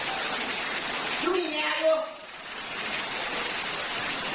พ่อไม่เห็นแต่ไม่เคยน่าจะบอกครับที่ไม่รู้หรอกน้องน้องเห็นต่อแล้วเขาต้องบอกให้ไร็กี่